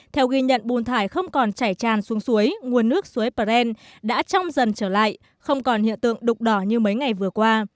theo ghi nhận bùn thải không còn chảy tràn xuống suối nguồn nước suối pren đã trong dần trở lại không còn hiện tượng đục đỏ như mấy ngày vừa qua